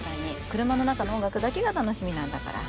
車の中の音楽だけが楽しみなんだから。